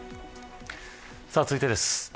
続いてです。